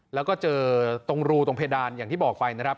แล้วก็เจอตรงรูตรงเพดานอย่างที่บอกไปนะครับ